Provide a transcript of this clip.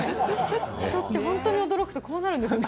人って本当に驚くとこうなるんですね。